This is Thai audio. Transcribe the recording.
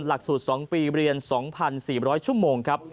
หลักสูตร๒ปีเรียน๒๔๐๐ชั่วโมงครับ